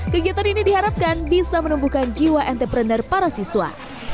kegiatan ini diharapkan bisa menumbuhkan jiwa entrepreneur para siswa